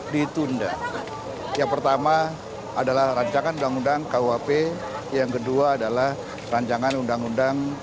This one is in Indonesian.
ditunda yang pertama adalah rancangan undang undang kuhp yang kedua adalah rancangan undang undang